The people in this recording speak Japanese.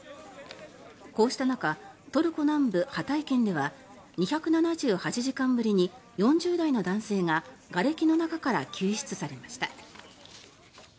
こうした中トルコ南部ハタイ県では２７８時間ぶりに４０代の男性ががれきの中から救出されました。